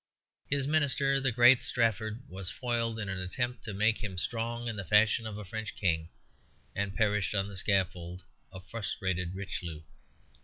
His minister, the great Strafford, was foiled in an attempt to make him strong in the fashion of a French king, and perished on the scaffold, a frustrated Richelieu.